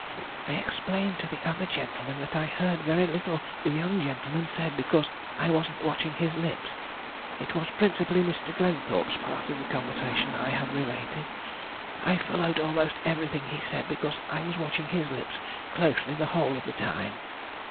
"I explained to the other gentleman that I heard very little the young gentleman said, because I wasn't watching his lips. It was principally Mr. Glenthorpe's part of the conversation I have related. I followed almost everything he said because I was watching his lips closely the whole of the time."